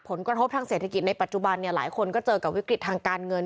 ผลกระทบทางเศรษฐกิจในปัจจุบันเนี่ยหลายคนก็เจอกับวิกฤตทางการเงิน